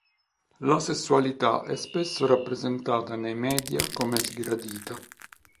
L'asessualità è spesso rappresentata nei media come sgradita.